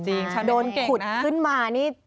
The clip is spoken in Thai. จริงชาวเน็ตต้องเก่งนะจริงนะโดนขุดขึ้นมานี่